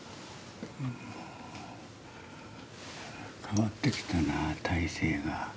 変わってきたな体勢が。